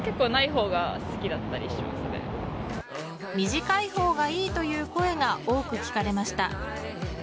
短いほうがいいという声が多く聞かれました。